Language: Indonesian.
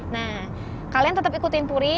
nah kalian tetap ikutin puri